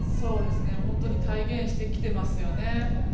本当に体現してきていますよね。